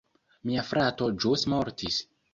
Mia frato ĵus mortis!